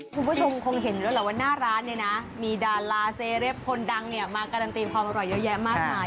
คุณผู้ชมคงเห็นแล้วแหละว่าหน้าร้านเนี่ยนะมีดาราเซเรปคนดังเนี่ยมาการันตีความอร่อยเยอะแยะมากมาย